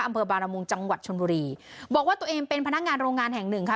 อำเภอบารมมุงจังหวัดชนบุรีบอกว่าตัวเองเป็นพนักงานโรงงานแห่งหนึ่งค่ะ